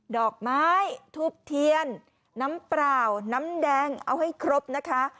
ดอกไม้ทุบเทียนน้ำเปล่าน้ำแดงเอาให้ครบนะคะ